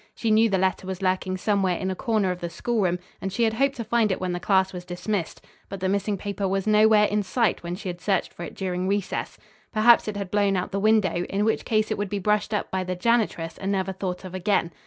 She knew the letter was lurking somewhere in a corner of the schoolroom, and she had hoped to find it when the class was dismissed. But the missing paper was nowhere in sight when she had searched for it during recess. Perhaps it had blown out the window, in which case it would be brushed up by the janitress and never thought of again.